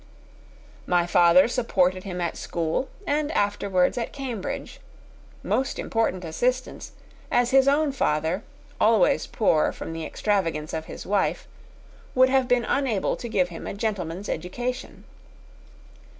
My father supported him at school, and afterwards at Cambridge; most important assistance, as his own father, always poor from the extravagance of his wife, would have been unable to give him a gentleman's education.